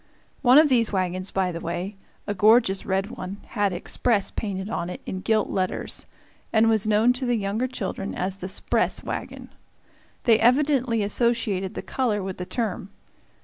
One of these wagons, by the way, a gorgeous red one, had "Express" painted on it in gilt letters, and was known to the younger children as the "'spress" wagon. They evidently associated the color with the term.